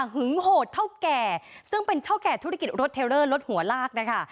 โหดเท่าแก่ซึ่งเป็นเท่าแก่ธุรกิจรถเทลเลอร์รถหัวลากนะคะ